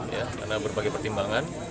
karena berbagai pertimbangan